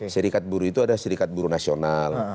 serikat buruh itu ada serikat buruh nasional